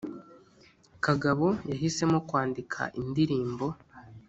kagabo yahisemo kwandika indirimbo